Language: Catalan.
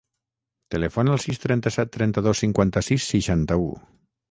Telefona al sis, trenta-set, trenta-dos, cinquanta-sis, seixanta-u.